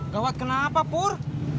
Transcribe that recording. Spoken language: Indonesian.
gawat kenapa pur